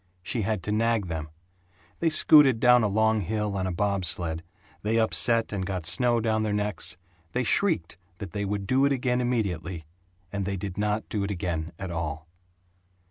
She had to nag them. They scooted down a long hill on a bob sled, they upset and got snow down their necks they shrieked that they would do it again immediately and they did not do it again at all.